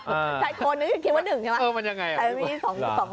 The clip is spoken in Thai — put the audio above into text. เออใส่โคลนึงคิดว่า๑ใช่ไหมแต่มันมี๒ตัว